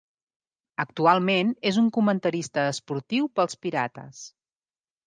Actualment és un comentarista esportiu pels Pirates.